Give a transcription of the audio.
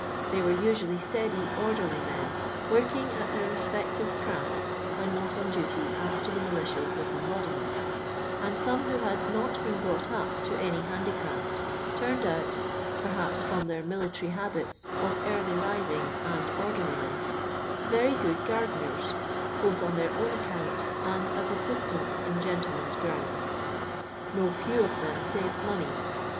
They were usually steady, orderly men, working at their respective crafis when not on duty after the militia d disembodiment, and some who had not been brought up to any handicraft turned out perhaps from their military habits of early rising and orderliness very good gardeners, both on their own account and as assistants in gentlemen's gr>»unds. No few of them saved money.